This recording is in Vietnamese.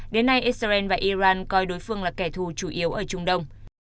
đến nay israel và iran coi đối phương là kẻ thù chủ yếu ở trung đông